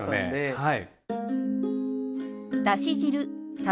はい。